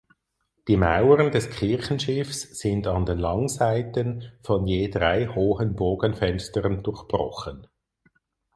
Die Mauern des Kirchenschiffs sind an den Langseiten von je drei hohen Bogenfenstern durchbrochen.